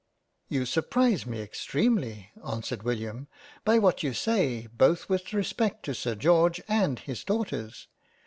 " You surprise me extremely (answered William) by what you say both with respect to Sir George and his Daughters.